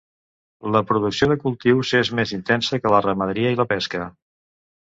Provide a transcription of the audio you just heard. La producció de cultius és més intensa que la ramaderia i la pesca.